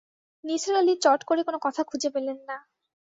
নিসার আলি চট করে কোনো কথা খুঁজে পেলেন না।